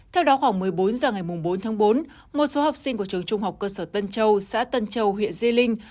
theo đó khoảng một mươi bốn h ngày bốn tháng bốn một số học sinh của trường trung học cơ sở tân châu xã tân châu huyện di linh